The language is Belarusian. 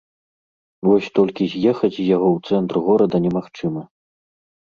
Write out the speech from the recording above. Вось толькі з'ехаць з яго ў цэнтр горада немагчыма.